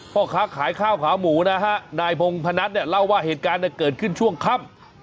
พ่อค้าขายข้าวขาหมูนะฮะนายพงพนัทเนี่ยเล่าว่าเหตุการณ์เกิดขึ้นช่วงค่ำ